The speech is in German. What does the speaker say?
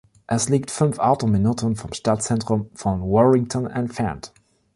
Es liegt fünf Autominuten vom Stadtzentrum von Warrington entfernt.